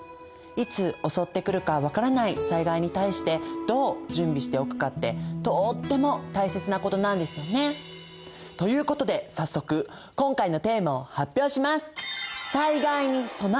いつ襲ってくるか分からない災害に対してどう準備しておくかってとっても大切なことなんですよね。ということで早速今回のテーマを発表します。